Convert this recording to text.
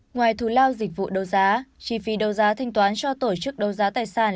ngoài thù lao dịch vụ đấu giá chi phí đấu giá thanh toán cho tổ chức đấu giá tài sản